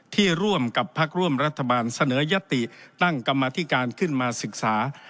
ร่วมกับพักร่วมรัฐบาลเสนอยติตั้งกรรมธิการขึ้นมาศึกษา